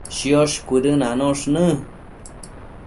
Chosh cuëdënanosh në